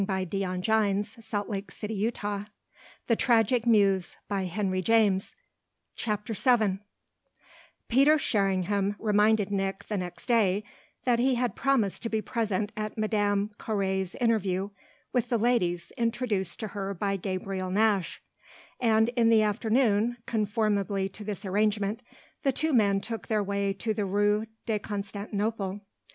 Good night," she said, turning away and leaving him to go. BOOK SECOND VII Peter Sherringham reminded Nick the next day that he had promised to be present at Madame Carré's interview with the ladies introduced to her by Gabriel Nash; and in the afternoon, conformably to this arrangement, the two men took their way to the Rue de Constantinople.